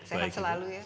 saya kan selalu ya